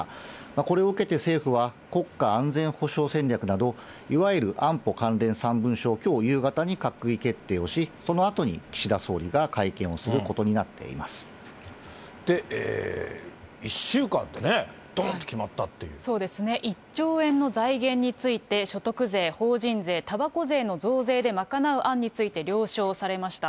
これを受けて、政府は国家安全保障戦略など、いわゆる安保関連３文書をきょう夕方に閣議決定をし、そのあとに岸田総理が会見をする１週間でね、そうですね、１兆円の財源について、所得税、法人税、たばこ税の増税で賄う案について了承されました。